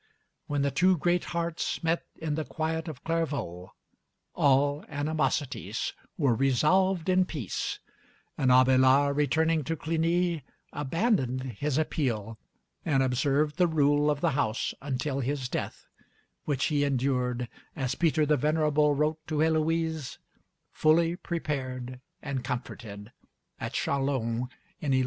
When the two great hearts met in the quiet of Clairvaux, all animosities were resolved in peace; and Abélard, returning to Cluny, abandoned his appeal and observed the rule of the house until his death, which he endured, as Peter the Venerable wrote to Héloise, fully prepared and comforted, at Châlons in 1142.